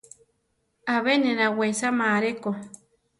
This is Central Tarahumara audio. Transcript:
Abe ne nawesama areko.